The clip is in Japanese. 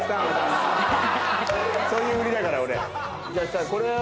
そういう売りだから俺。